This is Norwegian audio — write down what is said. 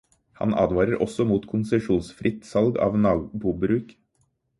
Han advarer også mot konsesjonsfritt salg av nabobruk.